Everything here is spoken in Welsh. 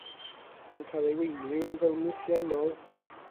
Mae'n cael ei weini yn fewnwythiennol.